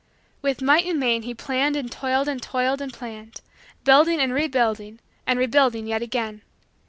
With might and main he planned and toiled and toiled and planned; building and rebuilding and rebuilding yet again.